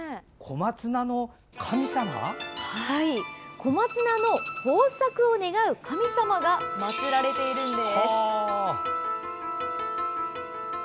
小松菜の豊作を願う神様が祭られています。